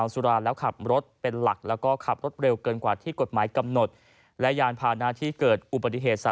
ฝากบอกมานะครับ